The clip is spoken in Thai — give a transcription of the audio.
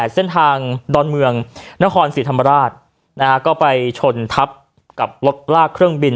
เส้นทางดอนเมืองนครศรีธรรมราชก็ไปชนทับกับรถลากเครื่องบิน